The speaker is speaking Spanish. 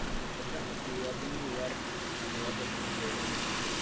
Esta festividad tiene lugar, a mediados del mes de febrero.